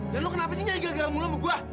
dan lo kenapa sih nyai gagal mula sama gua